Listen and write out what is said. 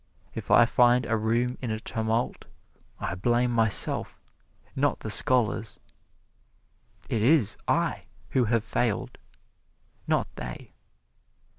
If I find a room in a tumult, I blame myself, not the scholars. It is I who have failed, not they.